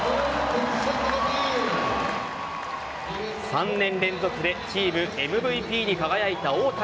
３年連続でチームＭＶＰに輝いた大谷。